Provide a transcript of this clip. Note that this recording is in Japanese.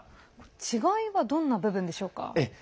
違いはどんな部分でしょうか？